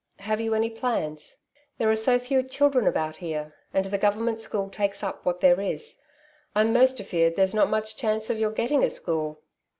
Have you any plans ? There are so few children about here, and the Government school takes up what there is, I'm most afeard there's not much chance of your getting a school."